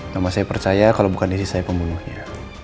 mama saya percaya kalau bukan disisai pembunuhnya